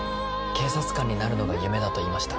警察官になるのが夢だと言いました。